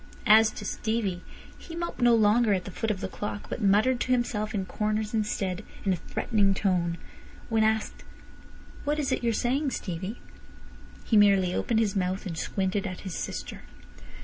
As to Stevie, he moped no longer at the foot of the clock, but muttered to himself in corners instead in a threatening tone. When asked "What is it you're saying, Stevie?" he merely opened his mouth, and squinted at his sister.